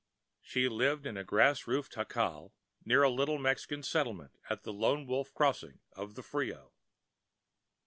She lived in a grass roofed jacal near a little Mexican settlement at the Lone Wolf Crossing of the Frio.